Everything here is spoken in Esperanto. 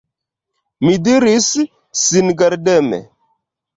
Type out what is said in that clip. Mi diris, singardeme!